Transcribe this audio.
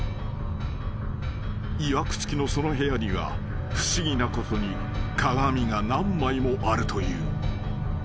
［いわく付きのその部屋には不思議なことに鏡が何枚もあるという］